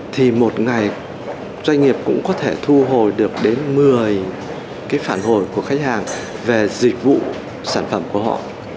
thì một ngày doanh nghiệp cũng có thể thu hồi được đến một mươi cái phản hồi của khách hàng về dịch vụ sản phẩm của họ